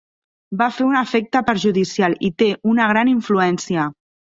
Va fer un efecte perjudicial i té una gran influència.